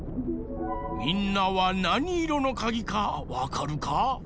みんなはなにいろのかぎかわかるか？